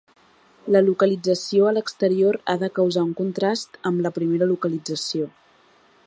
La localització a l'exterior ha de causar un contrast amb la primera localització.